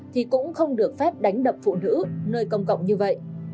thì cũng không được phép đánh đập phụ nữ nơi công cộng như vậy